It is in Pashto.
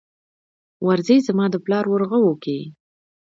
ورځې زما دپلار ورغوو کې